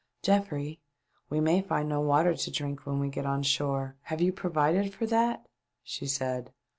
"Geoffrey, we may find no water to drink when we get on shore ; have you provided for that .'*" she said.